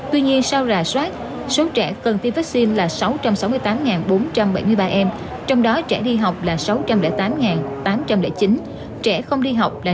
tuy nhiên sau rà soát số trẻ cần tiêm vaccine là sáu trăm sáu mươi tám bốn trăm bảy mươi ba em trong đó trẻ đi học là sáu trăm linh tám tám trăm linh chín trẻ không đi học là